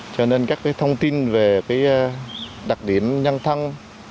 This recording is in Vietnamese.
cho nên các thông tin về đặc điểm nhân thăng